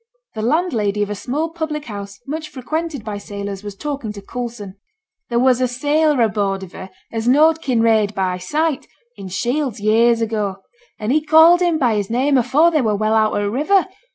The landlady of a small public house much frequented by sailors was talking to Coulson. 'There was a sailor aboard of her as knowed Kinraid by sight, in Shields, years ago; and he called him by his name afore they were well out o' t' river.